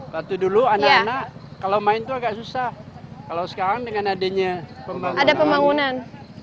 waktu dulu anak anak kalau main itu agak susah kalau sekarang dengan adanya pembangunan